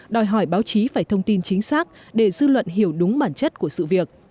đòi hỏi báo chí phải thông tin chính xác để dư luận hiểu đúng bản chất của sự việc